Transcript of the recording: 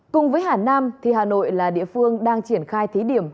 cùng với hà nam thì hà nội là địa phương đang triển khai thí điểm